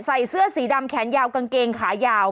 ใส่เสื้อสีดำแขนยาวกางเกงขายาว